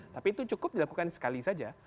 tapi itu cukup dilakukan sekali saja